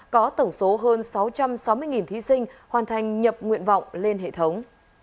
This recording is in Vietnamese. có tổng số hơn sáu trăm sáu mươi thí sinh hoàn thành nhập nguyện vọng lên hệ thống